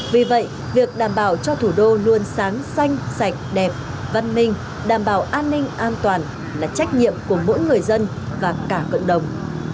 vì vậy việc đảm bảo cho thủ đô luôn sáng xanh sạch đẹp văn minh đảm bảo an ninh an toàn là trách nhiệm của mỗi người dân và cả cộng đồng